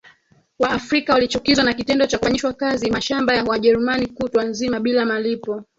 Waafrika walichukizwa na kitendo cha kufanyishwa kazi mashamba ya Wajerumani kutwa nzima bila malipo